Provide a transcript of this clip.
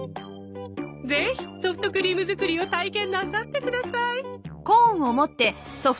ぜひソフトクリーム作りを体験なさってください！